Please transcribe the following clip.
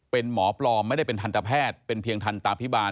เป็นหมอปลอมไม่ได้เป็นทันตแพทย์เป็นเพียงทันตาพิบาล